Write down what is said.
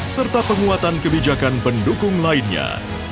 serta penguatan kebijakan pendukung lainnya